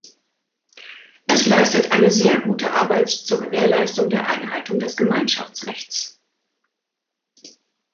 Es leistet eine sehr gute Arbeit zur Gewährleistung der Einhaltung des Gemeinschaftsrechts.